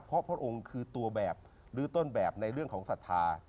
เพราะพระองค์คือตัวแบบหรือต้นแบบในเรื่องของศรัทธา